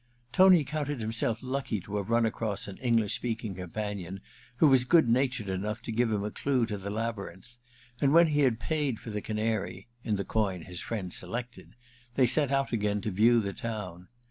Tony counted himself lucky to have run across an English speaking companion who was good natured enough to give him a clue to the labyrinth ; and when he had paid for the Canary (in the coin his friend selected) they set out again to view the town.